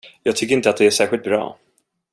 Jag tycker inte att det är särskilt bra.